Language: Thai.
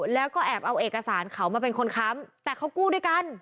แล้วก็แอบเอาเอกสารเขามาเป็นคนค้ำแต่เขากู้ด้วยกัน